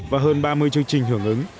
và hơn ba mươi chương trình hưởng ứng